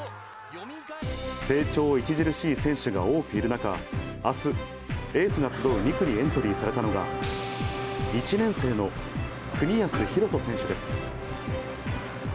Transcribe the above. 成長著しい選手が多くいる中、あす、エースが集う２区にエントリーされたのが、１年生の國安広人選手です。